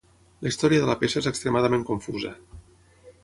La història de la peça és extremadament confusa.